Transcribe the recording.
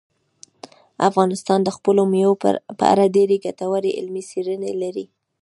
افغانستان د خپلو مېوو په اړه ډېرې ګټورې علمي څېړنې لري.